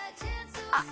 あっ！